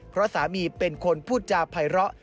เพราะสามีเป็นคนพูดจาภัยเลาะ